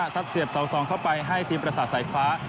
เสียบเสา๒เข้าไปให้ทีมประสาทสายฟ้า